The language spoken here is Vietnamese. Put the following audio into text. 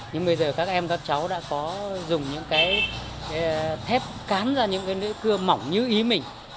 nhưng bây giờ các em các cháu đã có dùng những cái thép cán ra những cái lưỡi cưa mỏng như ý mình